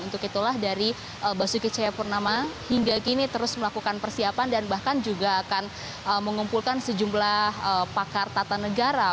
untuk itulah dari basuki cahayapurnama hingga kini terus melakukan persiapan dan bahkan juga akan mengumpulkan sejumlah pakar tata negara